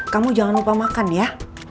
kamu jangan lupa makan ya